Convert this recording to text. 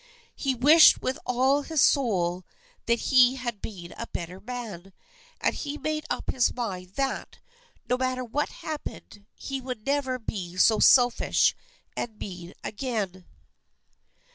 He wished with all his soul that he had been a better man, and he made up his mind that, no matter what happened, he would never be so selfish and mean again.